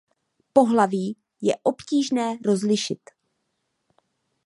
Pohlaví je obtížné rozlišit.